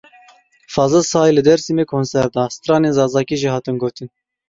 Fazil Say li Dêrsimê konser da, stranên Zazakî jî hatin gotin.